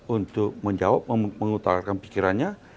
untuk menjawab mengutarakan pikirannya